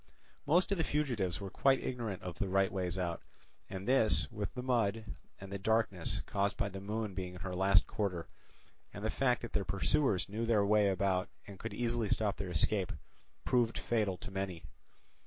Most of the fugitives were quite ignorant of the right ways out, and this, with the mud, and the darkness caused by the moon being in her last quarter, and the fact that their pursuers knew their way about and could easily stop their escape, proved fatal to many.